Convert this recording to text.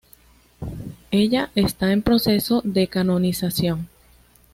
Ella está en proceso de canonización.